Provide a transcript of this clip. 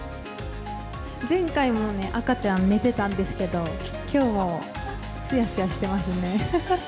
前回も赤ちゃん、寝てたんですけど、きょうもすやすやしてますね。